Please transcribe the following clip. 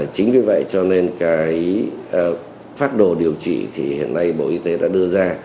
chính vì vậy cho nên phát đồ điều trị hiện nay bộ y tế đã đưa ra